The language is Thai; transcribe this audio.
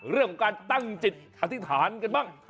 เรื่องของการตั้งจิตอธิษฐานกันบ้าง